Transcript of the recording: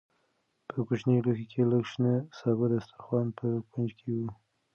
په کوچني لوښي کې لږ شنه سابه د دسترخوان په کونج کې وو.